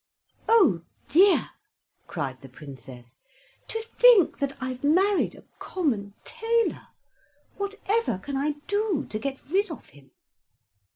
"Oh, dear," cried the Princess, "to think that I've married a common tailor! Whatever can I do to get rid of him?"